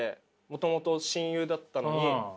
もともと親友だったのに。